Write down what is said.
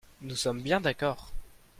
Nous sommes bien d’accord